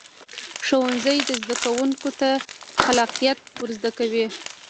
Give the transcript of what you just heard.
ښوونځی زده کوونکو ته خلاقیت ورزده کوي